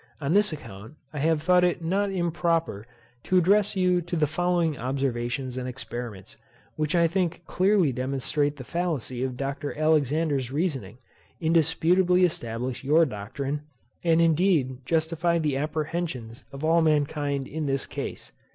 On this account, I have thought it not improper, to address to you the following observations and experiments, which I think clearly demonstrate the fallacy of Dr. Alexander's reasoning, indisputably establish your doctrine, and indeed justify the apprehensions of all mankind in this case.